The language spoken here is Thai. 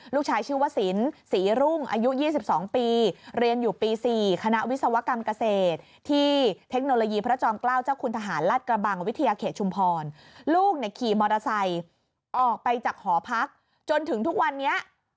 ลูกชายชื่อว่าศิลป์ศรีรุ่งอายุ๒๒ปี